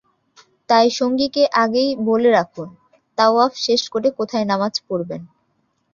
তাই সঙ্গীকে আগেই বলে রাখুন, তাওয়াফ শেষ করে কোথায় নামাজ পড়বেন।